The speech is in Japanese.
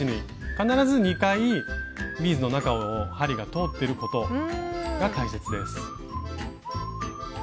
必ず２回ビーズの中を針が通ってることが大切です。